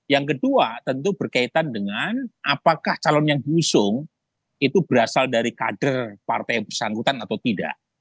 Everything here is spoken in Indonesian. yang kedua tentu berkaitan dengan apakah calon yang diusung itu berasal dari kader partai yang bersangkutan atau tidak